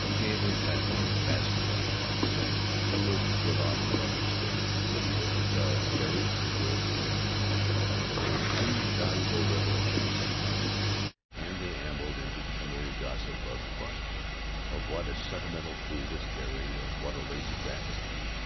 He gave her facile masculine advice. She was to put off her mother's stay. She was to tell Carrie to go to the deuce. For these valuable revelations she thanked him, and they ambled into the familiar gossip of the Bunch. Of what a sentimental fool was Carrie. Of what a lazy brat was Pete.